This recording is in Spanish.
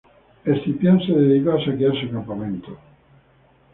Escipión se dedicó a saquear su campamento.